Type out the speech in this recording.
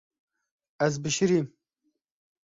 Ez bişirîm.